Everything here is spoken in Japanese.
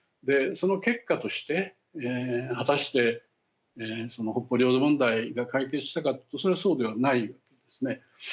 その結果として果たしてその北方領土問題が解決したかというとそれはそうではないんですね。